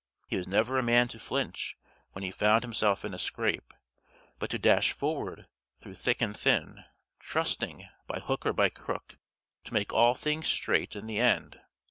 He was never a man to flinch when he found himself in a scrape, but to dash forward through thick and thin, trusting, by hook or by crook, to make all things straight in the end.